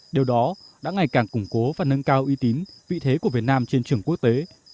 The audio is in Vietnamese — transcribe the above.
điều đó đã ngày càng củng cố và nâng cao uy tín vị thế của việt nam trên trường quốc tế